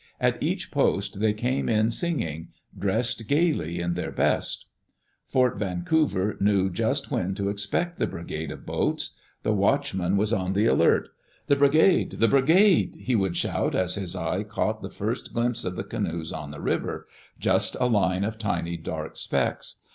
At each post they came in singing, dressed gayly in their best. Fort Vancouver knew just when to expect the Brigade [lOl] Digitized by Google EARLY DAYS IN OLD OREGON of Boats. The watchman was on die alert. "The Bri gade! The Brigade I'' he would shout as his eye caught the first glimpse of the canoes on the river — just a line of tiny dark specks.